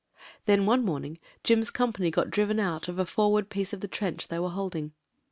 •.••• Then one morning Jim's cc«npany got drivoi out of a forward piece of the trench they were holding.